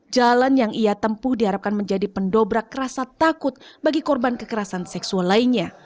jalan yang ia tempuh diharapkan menjadi pendobrak rasa takut bagi korban kekerasan seksual lainnya